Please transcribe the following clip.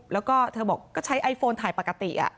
แล้วก็เธอบอกก็ใช้ไอโฟนถ่ายปกติ